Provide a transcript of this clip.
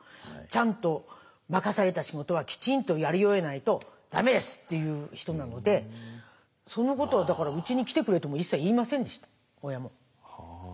「ちゃんと任された仕事はきちんとやり終えないとだめです」っていう人なのでそのことをだから「うちに来てくれ」とも一切言いませんでした親も。